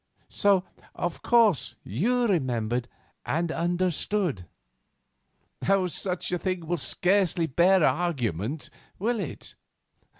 So, of course, you remembered and understood." "Such a thing will scarcely bear argument, will it?"